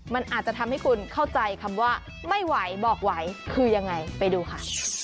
มันอาจจะทำให้คุณเข้าใจคำว่าไม่ไหวบอกไหวคือยังไงไปดูค่ะ